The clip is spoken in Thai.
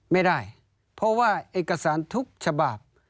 ไม่ได้เพราะว่าเอกสารทุกฉบับ